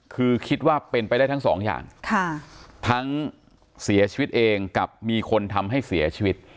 คือคิดว่าเป็นไปได้ทั้งสองอย่างทั้งเสียชีวิตเองกับมีคนทำให้เสียชีวิต